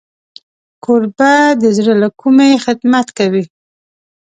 کوربه د زړه له کومي خدمت کوي.